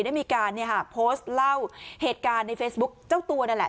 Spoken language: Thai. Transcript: ได้มีการโพสต์เล่าเหตุการณ์ในเฟซบุ๊คเจ้าตัวนั่นแหละ